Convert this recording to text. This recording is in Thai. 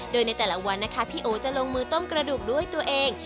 โดยในแต่ละวันนะคะพี่โอจะลงมือต้มกระดูกด้วยตัวเอง